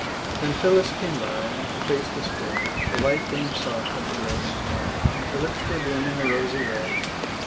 Then Phyllis came by, and her face was fair, The light gleamed soft on her raven hair; And her lips were blooming a rosy red.